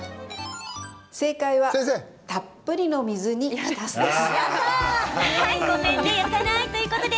正解はたっぷりの水に浸すです。